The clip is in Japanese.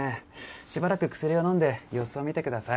しばらく薬を飲んで様子を見てください。